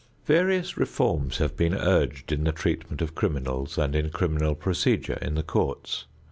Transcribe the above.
Various reforms have been urged in the treatment of criminals and in criminal procedure in the courts.